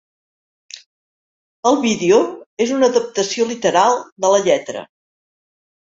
El vídeo és una adaptació literal de la lletra.